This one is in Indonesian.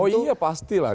oh iya pasti lah